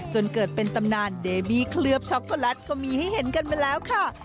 จนเกิดเป็นตำนานเดบี้เคลือบช็อกโกแลตก็มีให้เห็นกันมาแล้วค่ะ